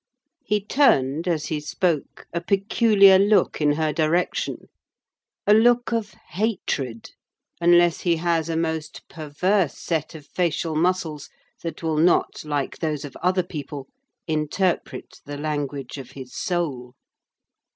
He turned, as he spoke, a peculiar look in her direction: a look of hatred; unless he has a most perverse set of facial muscles that will not, like those of other people, interpret the language of his soul.